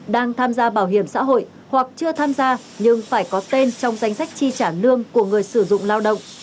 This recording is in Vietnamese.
đang tham gia bảo hiểm xã hội hoặc chưa tham gia nhưng phải có tên trong danh sách chi trả lương của người sử dụng lao động